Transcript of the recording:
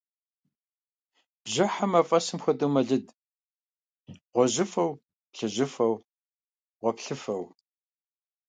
Бжьыхьэм, мафӀэсым хуэдэу, мэлыд гъуэжьыфэу, плъыжьыфэу, гъуэплъыфэу.